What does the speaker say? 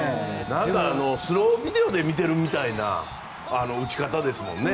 スロービデオで見てるような打ち方ですもんね。